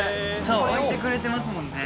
置いてくれてますもんね。